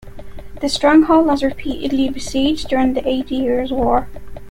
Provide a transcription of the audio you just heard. The stronghold was repeatedly besieged during the Eighty Years' War.